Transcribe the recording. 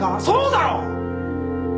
そうだろ！